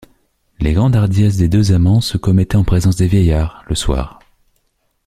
Les grandes hardiesses des deux amants se commettaient en présence des vieillards, le soir.